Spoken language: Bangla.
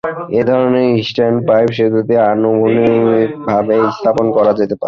এ ধরনের স্ট্যান্ডপাইপ সেতুতে অনুভূমিকভাবে স্থাপন করা যেতে পারে।